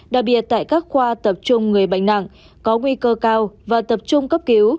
đặc biệt tại các khoa tập trung người bệnh nặng có nguy cơ cao và tập trung cấp cứu